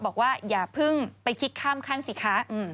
บอกว่าอย่าพึ่งไปคิดข้ามขั้นสิคะ